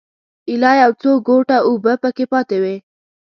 ایله یو څو ګوټه اوبه په کې پاتې وې.